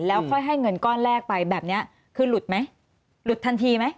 แล้วค่อยให้เงินก้อนแรกไปแบบนี้คือหลุดไหมหลุดทันทีไหม